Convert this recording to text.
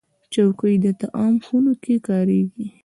چوکۍ د طعام خونو کې کارېږي.